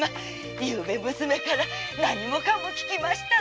ゆうべ娘から何もかも聞きましただ。